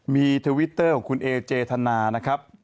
มีทวิตเตอร์ของคุณเอเจธนานะครับ